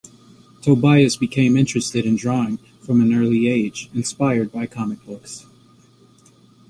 Tobias became interested in drawing from an early age, inspired by comic books.